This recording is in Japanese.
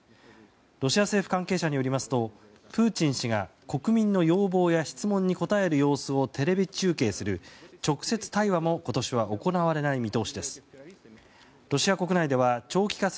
ロシア政府関係者によりますとプーチン氏が国民の要望や質問に答える様子をテレビ中継する直接対話も今年は行われない見通しです。